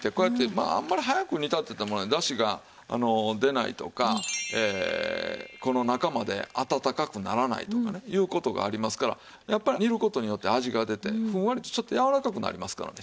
まああんまり早く煮立ててもねだしが出ないとかこの中まで温かくならないとかねいう事がありますからやっぱり煮る事によって味が出てふんわりとちょっとやわらかくなりますからね